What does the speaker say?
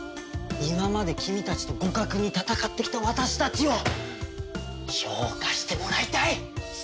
今まで君たちと互角に戦ってきた私たちを評価してもらいたい！